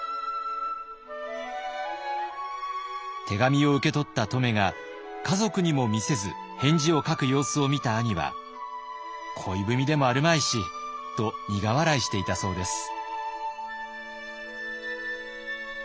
手紙を受け取った乙女が家族にも見せず返事を書く様子を見た兄は「恋文でもあるまいし」と苦笑いしていたそうです。